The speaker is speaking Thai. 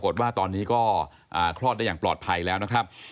ว่าตอนนี้ก็คลอดได้อย่างปลอดภัยแล้วนะครับ